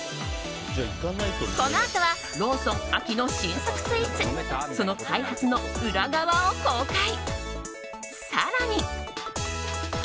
このあとはローソン秋の新作スイーツその開発の裏側を公開。